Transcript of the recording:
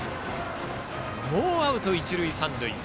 ノーアウト、一塁三塁。